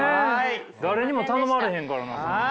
誰にも頼まれへんからな。